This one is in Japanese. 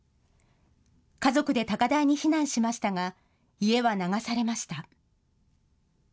家族で高台に避難しましたが家は流されました。